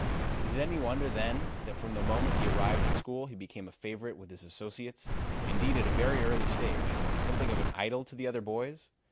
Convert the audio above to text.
Is it any wonder, then, that from the moment he arrived at school he became a favorite with his associates, indeed, at a very early stage, something of an idol to the other boys?